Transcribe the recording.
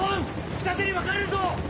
二手に分かれるぞ！